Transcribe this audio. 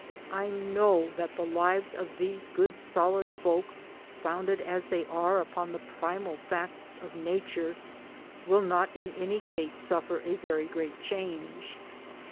I know that the lives of these good solid folk, founded as they are upon the primal facts Oif Nature, will not in any case suffer a very great change.